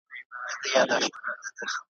دې ورستو اوبو کي زه هم تباه کېږم ,